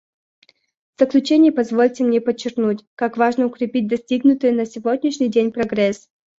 В заключение позвольте мне подчеркнуть, как важно укрепить достигнутый на сегодняшний день прогресс.